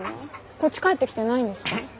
こっち帰ってきてないんですか？